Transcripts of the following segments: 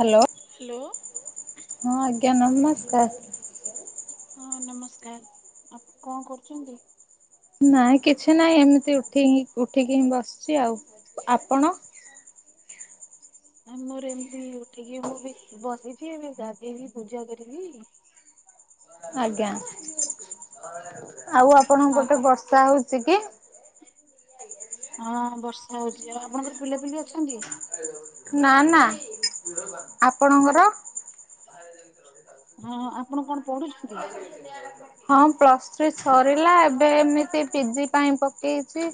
Hello hello ହଁ ଆଜ୍ଞା ନମସ୍କାର। ହଁ ନମସ୍କାର ଆ କଁ କରୁଚନ୍ତି? ନାଇଁ କିଛି ନାଇଁ ଏମିତି ଉଠି ହିଁ ଉଠିକି ହିଁ ବସଚି ଆଉ ଆପଣ? ନାଁ ମୋର ଏମତି ଉଠିକି ମୁଁ ବି ବସିଚି ଏବେ ଗାଧେଇବି ପୂଜା କରିବି। ଆଜ୍ଞା ଆଉ ଆ ଆପଣଙ୍କ ଆ ପଟେ ବର୍ଷା ହୋଉଚି କି? ହଁ ବର୍ଷା ହଉଚି। ଆଉ ଆପଣଙ୍କର ପିଲାପିଲି ଅଛନ୍ତି? ନାଁ ନାଁ, ଆପଣଙ୍କର? ବାହାରେ ଜଗିଥିଲ ସେତାକ? ହଁ ହଁ ଆପଣ କଣ ପଢ଼ୁଛନ୍ତି? ହଁ ପ୍ଲସ୍ ଥ୍ରୀ ସରିଲା ଏବେ ଏମିତି ପି ଜି ପାଇଁ ପକେଇଚି।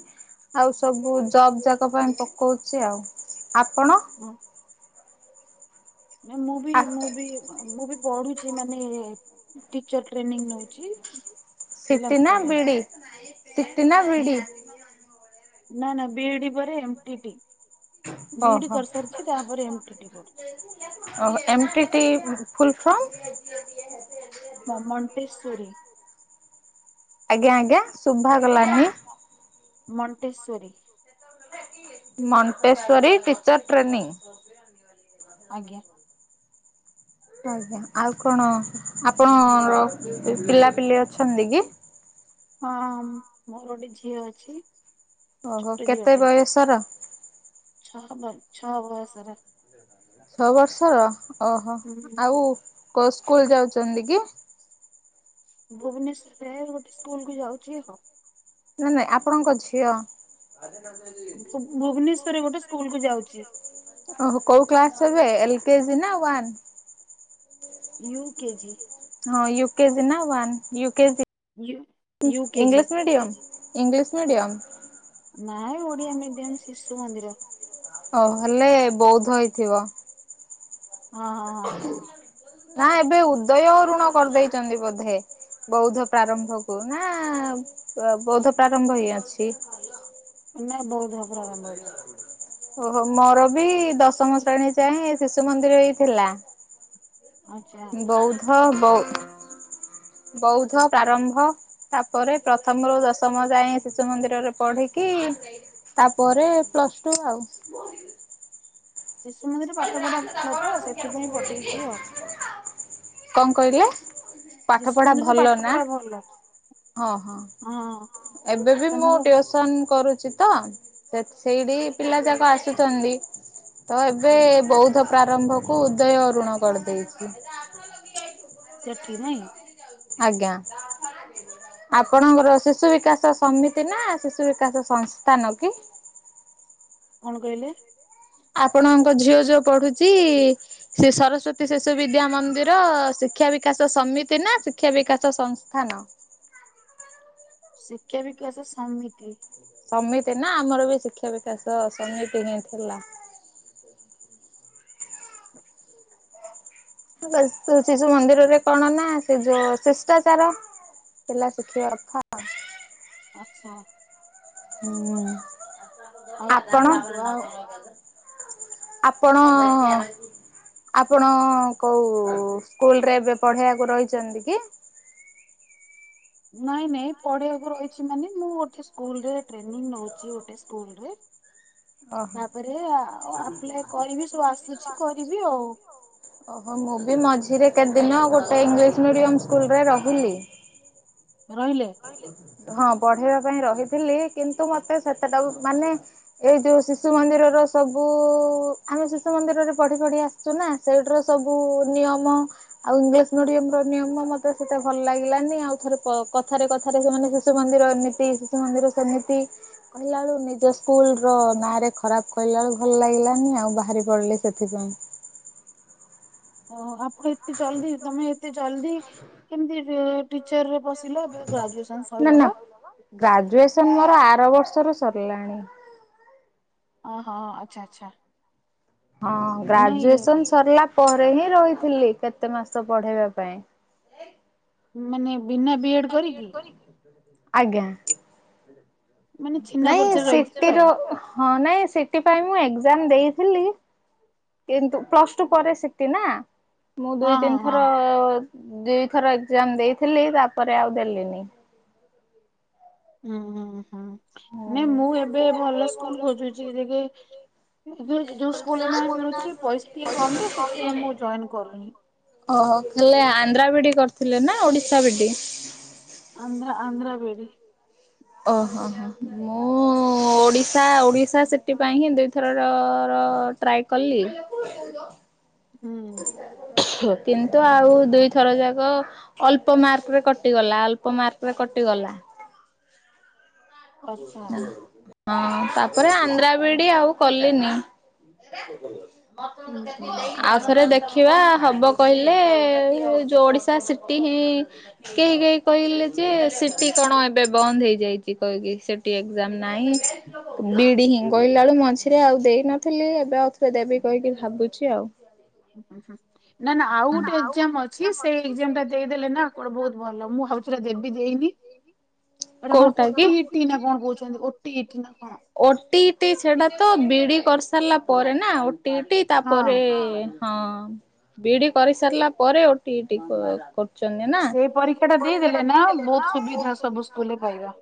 ଆଉ ସବୁ ଜବ୍ ଯାକ ପାଇଁ ପକଉଚି ଆଉ, ଆପଣ? ଅଁ ନାଁ ମୁ ବି ଆ ମୁଁ ବି ଅ ମୁଁ ବି ପଢୁଚି ମାନେ ଟିଚର୍ ଟ୍ରେନିଂ ନୋଉଚି। ସି ଟି ନା ବି ଡି଼ ସି ଟି ନାଁ ବି ଡି଼? ନାଁ ନାଁ ବିଇଡି଼ ପରେ ଏମ୍ ପି ଟି ବିଇଡି଼ ଓହୋ କରିସାରିଚି। କି ତାପରେ ଏମ୍ ଟି ଟି କରୁଚି। ଓହୋ M T T full from? ମମଣ୍ଟେଶ୍ଵରୀ। ଆଜ୍ଞା ଆଜ୍ଞା ଶୁଭା ଗଲାନି। ମ- ମଣ୍ଟେଶ୍ଵରୀ। Montessori teacher training. ଆଜ୍ଞା। ଆଜ୍ଞା ଆଉ କଣ ଆପଣର ପି ପିଲାପିଲି ଅଛନ୍ତି କି? ହଁ ମୋର ଅଟେ ଝିଅ ଅଛି। ଓହୋ ଛୋଟ କେତେ ଝିଅଟେ ବୟସର? ଛଅ ବ ଛଅ ବୟସର। ଛଅ ବର୍ଷର ଓହୋ ହୁଁ ଆଉ କ ସ୍କୁଲ୍ ଯାଉଚନ୍ତି କି? ଭୁବନେଶ୍ୱରରେ ଗୋଟେ ସ୍କୁଲକୁ ଯାଉଚି ହ। ନାଁ ନାଇଁ ଆପଣଙ୍କ ଝିଅ। ଭୁବନେଶ୍ଵରରେ ଭୁବନେଶ୍ୱରରେ ସ୍କୁଲ ଗୋଟେ ସ୍କୁଲ୍ କୁ ଯାଉଛି ଯାଉଚି ପା। ଓହୋ କୋଉ କ୍ଲାସ୍ ଏବେ ଏଲ୍ କେ ଜି ନାଁ ୱାନ୍? U K G. ହଁ ୟୁ କେ ଜି ନାଁ one U K G, U U KG English medium? English medium? ନାଁଇ ଓଡିଆ ମିଡିୟମ ଶିଶୁ ମନ୍ଦିର। ଅ ହେଲେ ବୌଧ ହେଇଥିବ। ହଁ ହଁ ନାଁ ଏବେ ଉଦୟ ଅରୁଣ କରିଦେଇଛନ୍ତି ବୋଧେ। ବୌଦ୍ଧ ପ୍ରାରମ୍ଭ କୁ ନାଁ ଅ ବୌଦ୍ଧ ପ୍ରାରମ୍ଭ ହିଁ ଅଛି? ନା ବୌଦ୍ଧ ପ୍ରାରମ୍ଭ ଅଛି। ଓହୋ ମୋର ବି ଦଶମ ଶ୍ରେଣୀ ଯାଏଁ ଶିଶୁ ମନ୍ଦିର ହେଇଥିଲା। ଆଚ୍ଛା ବୌଦ୍ଧ ବୌ ବୌଦ୍ଧ ପ୍ରାରମ୍ଭ ତାପରେ ପ୍ରଥମରୁ ଦଶମ ଯାଏଁ ଶିଶୁ ମନ୍ଦିରରେ ପଢିକି ତାପରେ ପ୍ଲସ୍ ଟୁ ଆଉ। ଶିଶୁ ମନ୍ଦିରେ ପାଠପଢା ଭଲ ତ ସେଥିପାଇଁ ପଠେଇଛି ଆଉ। କକଣ କହିଲେ? ପାଠ ଶିଶୁ ପଢା ମନ୍ଦିରରେ ପାଠ ଭଲ ନା ପଢା ଭଲ ହଁ ହଁ। ହଁ। ଏବେ ବି ମୁଁ ତମକୁ ଟ୍ୟୁଉସନ କରୁଛି। ତ ସେଠ୍ ସେଇଠି ପିଲା ଯାକ ଆସୁଛନ୍ତି। ତ ଏବେ ବୌଦ୍ଧ ପ୍ରାରମ୍ଭ କୁ ଉଦୟ ଅରୁଣ କରିଦେଇଛି। ସେଠି ନାଇଁ? ଆଜ୍ଞା। ଆପଣଙ୍କର ଶିଶୁ ବିକାଶ ସମିତି ନା ଶିଶୁ ବିକାଶ ସଂସ୍ଥାନ କି? କଣ କହିଲେ? ଆପଣଙ୍କ ଝିଅ ଯୋଉ ପଢୁଛି ସେ ସରସ୍ଵତୀ ଶିଶୁ ବିଦ୍ୟା ମନ୍ଦିର ଶିକ୍ଷା ବିକାଶ ସମିତି ନା ଶିକ୍ଷା ବିକାଶ ସଂସ୍ଥାନ? ଶିକ୍ଷା ବିକାଶ ସମିତି। ସମିତି ନା ଆମର ବି ଶିକ୍ଷା ବିକାଶ ସମିତି ହିଁ ଥିଲା। ସି ଶିଶୁ ମନ୍ଦିରରେ କଣ ନା ସେ ଯୋଉ ଶିଷ୍ଟାଚାର ପିଲା ଶିଖିବା କଥା ଆଉ। ଆଚ୍ଛା। ହୁଁ ଆଉ କଣ ଆପଣ? କୁହନ୍ତୁ ଆଉ ଆପଣ ଆପଣ କୋଉ ସ୍କୁଲରେ ଏବେ ପଢେଇବାକୁ ରହିଛନ୍ତି କି? ନାଇଁ ନାଇଁ ପଢେଇବାକୁ ରହିଛି ମାନେ ମୁଁ ଗୋଟେ ସ୍କୁଲରେ ଟ୍ରେନିଂ ନୋଉଛି ଗୋଟେ ସ୍କୁଲ ରେ ଓହୋ। ତାପରେ ଆଉ ଆପ୍ଲାଏ କରିବି ସବୁ ଆସୁଛି କରିବି ଆଉ। ଓହୋ ମୁଁ ବି ମଝିରେ କେତେଦିନ ଗୋଟେ ଇଂଲିଶ ମିଡିୟମ ସ୍କୁଲରେ ରହିଲି ରହିଲେ? ହଁ ପଢେଇବା ପାଇଁ ରହିଥିଲି କିନ୍ତୁ ମତେ ସେତେଟାକୁ ମାନେ ଏଇ ଯୋଉ ଶିଶୁ ମନ୍ଦିରର ସବୁ ଆମେ ଶିଶୁ ମନ୍ଦିରରେ ପଢି ପଢି ଆସ ସୁନା ସେଇଠିରେ ସବୁ ନିୟମ ଆଉ ଇଂଲିଶ ମିଡିୟମ ର ନିୟମ ମତେ ସେତେ ଭଲ ଲାଗିଲାନି ଆଉ ଥରେ କ କଥ କଥାରେ କଥାରେ ସେମାନେ ଶିଶୁ ମନ୍ଦିର ଏମିତି ଶିଶୁ ମନ୍ଦିର ସେମିତି କହିଲା ବେଳକୁ ନିଜ ସ୍କୁଲ ର ନାଁରେ ଖରାପ କହିଲା ବେଳୁ ଭଲ ଲାଗିଲାନି ଆଉ ବାହାରି ପଡିଲି ସେଥିପାଇଁ। ଓ ଆପଣ ଏତେ ଜଲଦି ତମେ ଏତେ ଜଲଦି କେମତି ରଅ ଟିଚରରେ ପସିଲା ଏବେ ଗ୍ରାଜୁଏସନ ନା ସଇଲା ନା ବା। ଗ୍ରାଜୁଏସନ ମୋର ଆର ବର୍ଷରୁ ସରିଲାଣି। ଓ ହଁ ଆଚ୍ଛା ଆଚ୍ଛା। ହଁ ନାଇଁ ଗ୍ରାଜୁଏସନ ସରିଲା ପରେ ହିଁ ରହିଥିଲି କେତେ ମାସ ପଢେଇବା ପାଇଁ ମାନେ ବିନା ବି ଏଡ କରିକି ଆଜ୍ଞା। ମାନେ ଚିହ୍ନା ନାଇଁ ପରିଚୟରେ ରହିଥିବେ ସିଟିର ଆଉ ହଁ ନାଇଁ ସିଟି ପାଇଁ ମୁଁ ଏଗ୍ଜାମ ଦେଇଥିଲି କିନ୍ତୁ ପ୍ଲସ ଟୁ ପରେ ଶିଖତି ନା। ମୁଁ ଦୁଇ ହଁ ହଁ ତିନି ହଁ ଥର ଦୁଇଥର ଏକ୍ଜାମ ଦେଇଥିଲି ତାପରେ ଆଉ ଦେଲିନି। ଉୁଁ ହୁଁ ହୁଁ ନାଇ ମୁଁ ଏବେ ଭଲ ସ୍କୁଲ ଖୋଜୁଛି ଟିକେ ଯଉ ଯୋଉ ସ୍କୁଲରେ ନାଁ ମିଳୁଛିି ପଇସା ଟିକେ କମ ତ ସେଥିପାଇଁ ମୁଁ ଜଏନ କରୁନି। ଓହୋ ଖାଲି ଆନ୍ଧ୍ରା ବି ଇଡି କରିଥିଲେ ନା Odisha B Ed. Andhra Andhra B Ed. ଓହୋ ହ ମୁଁ ଓଡ଼ିଶା ଓଡ଼ିଶା ସେଥିପାଇ ହିଁ ଦୁଇଥରରର ଟ୍ରାଏ କଲି। ହୁଁ। କିନ୍ତୁ ଆଉ ଦୁଇଥର ଯାକ ଅଳ୍ପ ମାର୍କ ରେ କଟିଗଲା ଅଳ୍ପ ମାର୍କ ରେ କଟିଗଲା। ଆଚ୍ଛା [unintelligible] ହଁ ତାପରେ ଆନ୍ଧ୍ରାବିଡି ଆଉ କଲିନୀ। ହୁଁ ହୁଁ ଆଉ ଆଚ୍ଛା ଥରେ ଦେଖି ଆଚ୍ଛା। ଦେଖିବା ହବ କହିଲେ ଯୋଉ ଓଡିଶା ସିଟି ହିଁ କେହି କେହି କହିଲେ ଯେ ସିଟିି କଣ ଏବେ ବନ୍ଦ ହେଇଯାଇଛି କହିକି ସେଠୀ ଏକଜାମ୍ ନାହିଁ। ବିଇଡି ହିଁ କହିଲା ବେଳୁ ମଝିରେ ଆଉ ଦେଇନଥିଲି ଏବେ ଆଉଥରେ ଦେବି କହିକି ଭାବୁଛି ଆଉ। ହୁଁ ନା ନା ଆଉ ଗୋଟେ ଏକ୍ଜାମ ଅଛି ସେଇ ଏକ୍ଜାମ ଟା ଦେଇଦେଲେ ନା କୁଆଡ଼େ ବହୁତ ଭଲ ମୁଁ ଆଉଥରେ ଦେବି ଦେଇନି ସେଟା କଣ କୋଉଟା କି? ଓଟି ଏଇନା କଣ କହୁଛନ୍ତି ଓଟି ଇଟି ନା କଣ? ଓଟି ଇଟୀ ସେଟା ତ ବିଡି କରିସାରିଲା ପରେ ନା ଓଟି ଇଟି ତାପରେ ହଁ। ହଁ ବିଡ଼ି କରିସାରିଲା ପରେ ଓଟିଇଟି କ ସେ ପରୀକ୍ଷା ଟା ଦେଇଦେଲେ ନା ବହୁତ ସୁବିଧା ସବୁ ସ୍କୁଲରେ ପାଇବା।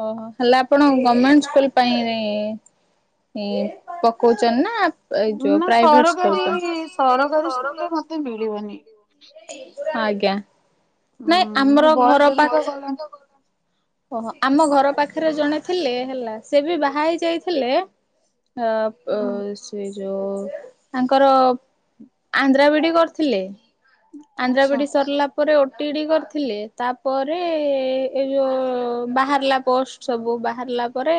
ଓହୋ ହେଲେ ଆପଣ ଗମେଣ୍ଟ ସ୍କୁଲ ପାଇଁରେ ପକଉଛନ୍ତି ନା ଏଇ ଯୋଉ ନା ପ୍ରାଇଭେଟ୍ ସ୍କୁଲ ସରକାରୀ ସରକାରୀ ସ୍କୁଲରେ ପାଇଁ। ମତେ ମିଳିବନି। ଆଜ୍ଞା ହୁଁ ନାଇଁ ମୋର ଆମର ବୟସ ଘର ବି ତ ପାଖ ଗଲାଣି ଓହୋ ଆମ ଘର ପାଖରେ ଜଣେ ଥିଲେ ହେଲା ସେ ବି ବାହା ହେଇ ଯାଇଥିଲେ ଅ ଅ ହୁଁ ସେ ଯଉ ତାଙ୍କର ଆନ୍ଧ୍ରା ବିଡି କରିଥିଲେ। ଆନ୍ଧ୍ରା ଆଚ୍ଛା। ଵିଡି ସରଲା ପରେ ଓଟି ଇଟି କରିଥିଲେ ତାପରେ ଏ ଯଉଁ ବାହାରିଲା ପୋଷ୍ଟ ସବୁ ବାହାରିଲା ପରେ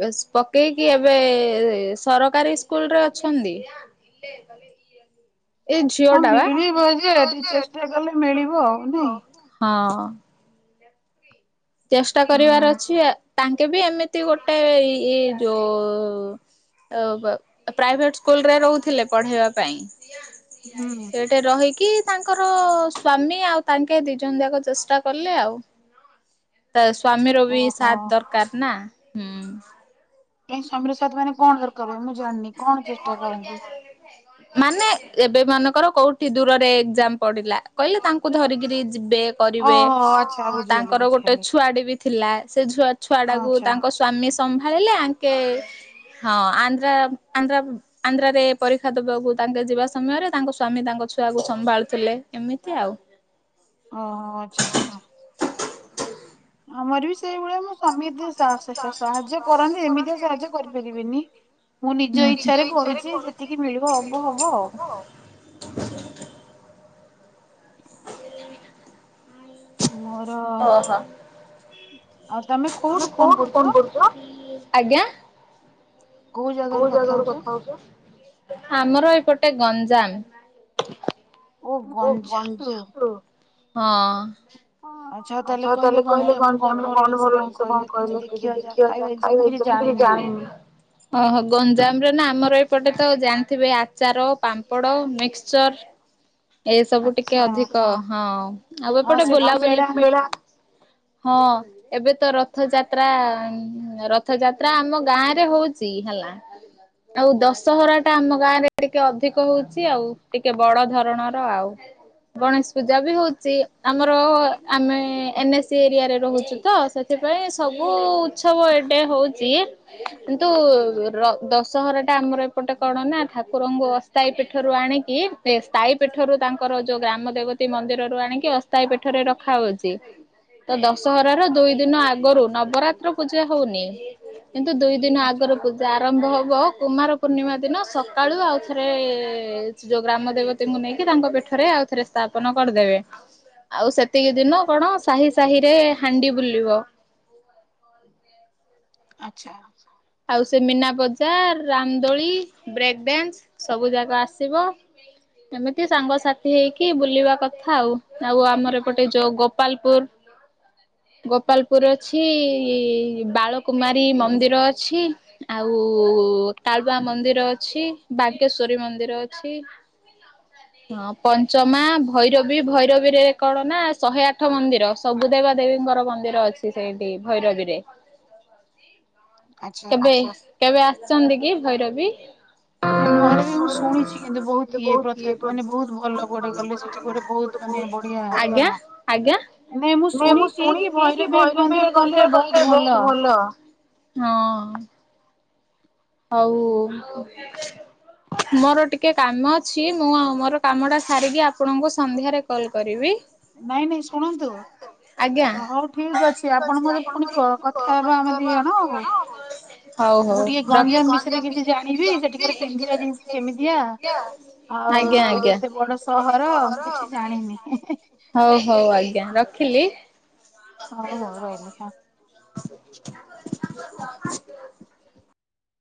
ବସ୍ ପକେଇକି ଏବେ ସରକାରୀ ସ୍କୁଲ ରେ ଅଛନ୍ତି। ଏଇ ଝିଅ ହଁ ଟା ବା ମିଳିବ ଯେ ଟିକେ ଚେଷ୍ଟା କଲେ ମିଳିବ ଆଉ ନାଇଁ। ହଁ। ଚେଷ୍ଟା କରିବାର ହଁ। ଅଛି ତାଙ୍କେ ବି ଏମିତି ଗୋଟେ ଇ ଯୋ ପ୍ରାଇଭେଟ ସ୍କୁଲରେ ରହୁଥିଲେ ପଢ଼େଇବା ପାଇଁ। ହୁଁ। ଟେ ରହିକି ତାଙ୍କର ସ୍ୱାମୀ ଆଉ ତାଙ୍କେ ଦୁଇ ଜଣ ଦଆକୁ ଚେଷ୍ଟା କଲେ ଆଉ। ତ ସ୍ଵାମୀର ବି ଓହୋ ସାଥ ଦରକାର ନା। ହୁଁ। କାଇ ସ୍ଵାମୀର ସାଥ୍ ମାନେ କଣ ଦର [inaudible] ମାନେ ଏବେ ମାନଙ୍କର କୋଉଠି ଦୂରରେ ଏକ୍ଜାମ ପଡ଼ିଲା କହିଲେ ତାଙ୍କୁ ଧରିକିରି ଯିବେ। କରିବେ ଓହୋ ଆଚ୍ଛା ବୁଝିଗଲି ତାଙ୍କର ଗୋଟେ ବୁଝିଗଲି ଛୁଆଟେ ବି ଥିଲା ସେ ଛୁଆ ଛୁଆ ହଁ ଟାକୁ ଆଚ୍ଛା ତାଙ୍କ ସ୍ଵାମୀ ସମ୍ଭାଳିଲେ ଆଙ୍କେ ହଁ ଆନ୍ ନ୍ଧ୍ରା ଆନ୍ଧ୍ରା ଆନ୍ଧ୍ରାରେ ପରୀକ୍ଷା ଦବାକୁ ତାଙ୍କେ ଯିବା ସମୟରେ ତାଙ୍କ ସ୍ଵାମୀ ତାଙ୍କ ଛୁଆକୁ ସମ୍ଭାଳୁଥିଲେ ଏମିତି ଆଉ। ଓ ହୋ ଆଚ୍ଛା ଆଚ୍ଛା। ଆମର ବି ସେଇଭଳିଆ ମୋ ସ୍ଵାମୀ ଯିଏ ସେ [unintelligible] ସାହାଯ୍ୟ କରନ୍ତି ଏମିତିଆ ସାହାଯ୍ୟ କରିପାରିବେନି। ମୁଁ ନିଜ ଇଚ୍ଛାରେ କରୁଛି ଯେତିକି ମିଳିବ ହବହବ ଆଉ। ହ ହ ମୋର ଆଉ ତମେ। ତମେ କୋଉଠୁ ଫୋନ କରୁଛ। କୋଉ ଜାଗରୁ କଥା ହଉଚ ଆମର ଏପଟା ଗଞ୍ଜାମ। ଓ ଗଞ୍ଜାମ ରୁ। ହଁ ଆ। ଆଚ୍ଛା ତାହେଲେ କହିଲେ ଗଞ୍ଜାମ ର କଣ ଭଲ ଜିନିଷ କଣ କହିଲେ କିଛି ଦେଖିବା ଯା ଖାଇବା ଜିନିଷ ମୁଁ କିଛି ଜାଣିନି ‌। ହ ଓହୋ ଗଞ୍ଜାମ ରେ ନା ଆମର ଏପଟେ ତ ଜାଣିଥିବେ ଆଚାର ପାମ୍ପଡ଼ ମିକ୍ସଚର୍। ଏସବୁ ଟିକେ ଆଚ୍ଛା ଅଧିକ ହଁ ଆଉ ହଁ ଏପଟେ ସେଠି ବୁଲାବୁଲି। ମେଳା ପାଇଁ ହଁ। ଏବେ ତ ରଥଯାତ୍ରା ରଥଯାତ୍ରା ଆମ ଗାଁରେ ହଉଚି ହେଲା। ଆଉ ଦଶହରା ଟା ଆମ ଗାଁ ରେ ଟିକେ ଅଧିକ ହଉଛି ଆଉ ଟିକେ ବଡ ଧରଣର ଆଉ। ଗଣେଶ ପୂଜା ବି ହଉଛି ଆମର। ଆମେ ଏନ‌ ଏସି ଏରିଆରେ ରହୁଛୁ ତ ସେଥିପାଇଁ ସବୁ। ସବୁ ଏଟେ ହଉଛି। କିନ୍ତୁ ର ଦଶହରା ଟା ଆମର ଏପଟେ କଣ ନା ଠାକୁରଙ୍କୁ ଅସ। ଅସ୍ଥାୟୀ ପୀଠରୁ ଆଣିକି ଏ ସ୍ଥାୟୀ ପୀଠରୁ ତାଙ୍କର ଯୋଉ ଗ୍ରାମ ଦେବତୀ ମନ୍ଦିରରୁ ଆଣିକି ଅସ୍ଥାୟୀ ପୀଠରେ ର ଖା ହଉଛି ତ ଦଶହରା ର ଦୁଇ ଦିନ ଆଗରୁ ନବରାତ୍ କୁର ପୂଜା ହଉନି କିନ୍ତୁ ଦୁଇ ଦିନ ଆଚ୍ଛା ଆଗରୁ। ଆରମ୍ଭ ହବ କୁମାର ପୂର୍ଣ୍ଣିମା ଦିନ ସକାଳୁ ଆଉ ଥରେ ଯୋଉ ଗ୍ରାମ ଦେବତି। ତାଙ୍କୁ ନେଇକି ତାଙ୍କ ପେଠରେ ଆଉ ଥରେ ସ୍ଥାପନ କରିଦେବେ ଆଉ ସେ। ସେଇ ଦିନ କଣ ସାହି ସାହି ରେ ହାଣ୍ଡି ବୁଲିବ। ଆଛା। ଆଉ ସେ ମୀନା ବଜାର ରାମଦୋଳି ବ୍ରେକ ଡାନ୍ସ ସବୁ ଯାକ ଆସିବ। ଏମିତି ସାଙ୍ଗସାଥି ହେଇକି ବୁଲିବା କଥା ଆଉ ଆଉ ଆମର ଏପଟେ ଯୋଉ ଗୋପାଲପୁର। ଗୋପାଲପୁର ଅଛି ବାଳକୁୁମାରୀ ମନ୍ଦିର ଅ ଛି। ଆଉ କାଳବା ମନ୍ଦିର ଅଛି ବାଗେଶ୍ଵରୀ ମନ୍ଦିର ଅଛି। ହଁ ପଞ୍ଚମା ଭୈରବୀ ଭୈରବୀରେ କଣ ନା ଶହେ ଆଠ ମନ୍ଦିର। ସବୁ ଦେବା ଦେବୀଙ୍କର ମନ୍ଦିର ଅଛି ସେଇଠି ଭୈରବୀ ରେ। ଆଚ୍ଛା କେବେ କେବେ ଆସିଛନ୍ତି କି ଭୈରବୀ। ନା ଭୈରବୀ ମୁଁ ଶୁଣିଛି କିନ୍ତୁ ବହୁତ ଇଏ ପ୍ରତ୍ୟେଖ ମାନେ ବହୁତ ଭଲ କୁଆଡେ ଗଲେ ସେଠି କୁଆଡେ ବହୁତ। ମାନେ ବଢିଆ ଆଜ୍ଞା ଆଜ୍ଞା। ନାଇଁ ମୁଁ ଶୁଣିଛି କି ଭୈରବୀ ମନ୍ଦିର ଗଲେ ବହୁତ ଭଲ। ହଁ। ହଉ। ମୋର ଟିକେ କାମ ଅଛି ମୁଁ ଆଉ ମୋର କାମ ଟା ସାରିକି ଆପଣଙ୍କୁ ସନ୍ଧ୍ୟାରେ। କଲ୍ କରିବି। ନାଇଁ ନାଇଁ ଶୁଣନ୍ତୁ ଆଜ୍ଞା। ହଉ ଠିକ ଅଛି ଆପଣ ମତେ ପୁଣି କ- କଥା ହେବା ଆମେ ଦି ଜଣ ଆଉ ହଉ ମୁଁ ହଉ। ଟିକେ ଗଞ୍ଜାମ ବିଷୟରେ କିଛି ଜାଣିବି ସେଠିକାର ପିନ୍ଧିବା ଜିନିଷ କେମିତିଆ। ଆଉ ଆଜ୍ଞା ସେତ ଆଜ୍ଞା କେତେ ବଡ ସହର ମୁଁ କିଛି ଜାଣିନି। ହଉ ହଉ ଆଜ୍ଞା ରଖିଲି। ହଉ ହଉ ରହିଲି ହଁ।